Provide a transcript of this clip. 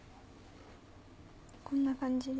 こんな感じで？